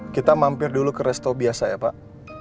kita mampir dulu ke resto biasa ya pak